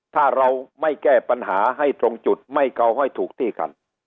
ถ้าเราไม่แก้ปัญหาให้ตรงจุดไม่เกาห้อยถูกที่คัน